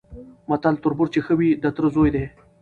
متل: تربور چي ښه وي د تره زوی دی؛